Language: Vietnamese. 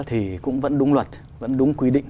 thì cũng vẫn đúng luật vẫn đúng quy định